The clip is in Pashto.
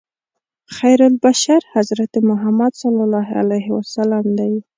خیرالبشر حضرت محمد صلی الله علیه وسلم دی.